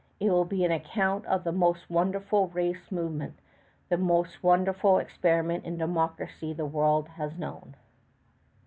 It will be an account of the most wonderful race movement, the most wonderful experiment in democracy the world has known.